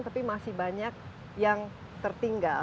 tapi masih banyak yang tertinggal